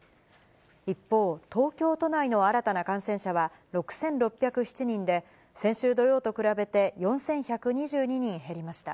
一方、東京都内の新たな感染者は６６０７人で、先週土曜と比べて４１２２人減りました。